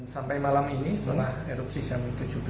sampai malam ini setelah erupsi jam tujuh belas